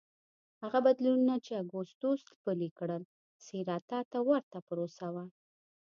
هغه بدلونونه چې اګوستوس پلي کړل سېراتا ته ورته پروسه وه